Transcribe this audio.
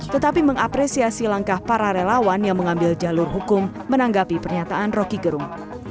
tetapi mengapresiasi langkah para relawan yang mengambil jalur hukum menanggapi pernyataan roky gerung